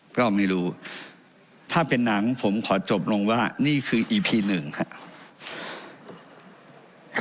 ก็ไม่รู้ถ้าเป็นหนังผมขอจบลงว่านี่คืออีพีหนึ่งครับ